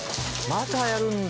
またやるんだ。